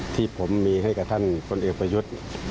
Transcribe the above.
ที่ผมมีให้กับท่านพลเอกประยุทธ์